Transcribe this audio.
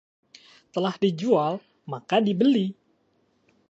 Telah dijual maka dibeli